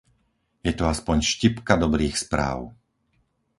Je to aspoň štipka dobrých správ.